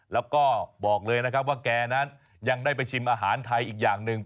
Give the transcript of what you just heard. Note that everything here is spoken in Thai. แล้วก็บอกเลยนะครับว่าแกนั้นยังได้ไปชิมอาหารไทยอีกอย่างหนึ่ง